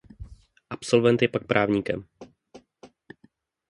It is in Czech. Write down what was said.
Absolvent je pak právníkem.